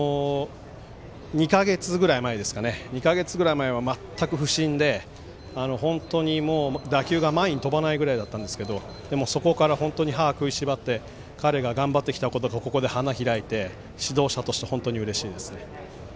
２か月ぐらい前ですかね２か月ぐらい前は全く不振で本当に打球が前に飛ばないぐらいだったんですけどでも、そこから本当に歯を食いしばって彼が頑張ってきてくれたことがここで花開いて、指導者として本当にうれしいですね。